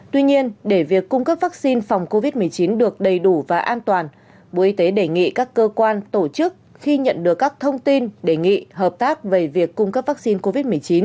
tuy nhiên để việc cung cấp vaccine phòng covid một mươi chín được đầy đủ và an toàn bộ y tế đề nghị các cơ quan tổ chức khi nhận được các thông tin đề nghị hợp tác về việc cung cấp vaccine covid một mươi chín